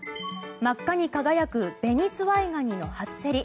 真っ赤に輝くベニズワイガニの初競り。